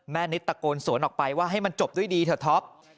นิดตะโกนสวนออกไปว่าให้มันจบด้วยดีเถอะท็อป